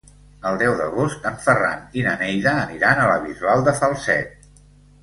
El deu d'agost en Ferran i na Neida aniran a la Bisbal de Falset.